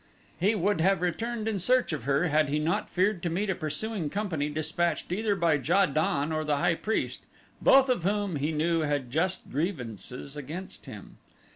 He would have returned in search of her had he not feared to meet a pursuing company dispatched either by Ja don or the high priest, both of whom, he knew, had just grievances against him.